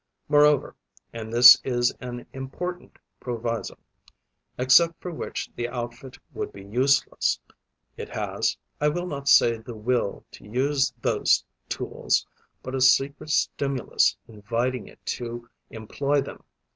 Moreover and this is an important proviso, except for which the outfit would be useless it has, I will not say the will to use those tools, but a secret stimulus inviting it to employ them.